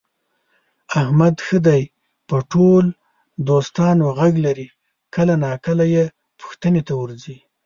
احمد ښه دی په ټول دوستانو غږ لري، کله ناکله یې پوښتنې ته ورځي.